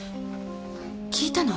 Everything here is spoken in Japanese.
聞いたの？